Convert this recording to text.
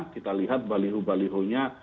kita lihat balihu balihunya